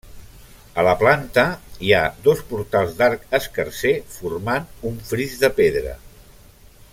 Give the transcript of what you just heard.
A la planta hi ha dos portals d'arc escarser formant un fris de pedra.